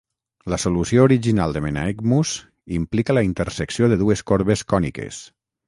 La solució original de Menaechmus implica la intersecció de dues corbes còniques.